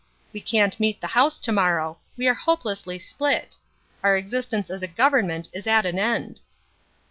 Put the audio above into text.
We can't meet the House to morrow. We are hopelessly split. Our existence as a Government is at an end."